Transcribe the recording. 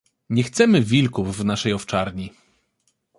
"Nie chcemy wilków w naszej owczarni."